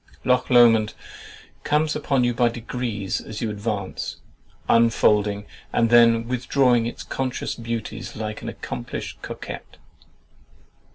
Loch Lomond comes upon you by degrees as you advance, unfolding and then withdrawing its conscious beauties like an accomplished coquet.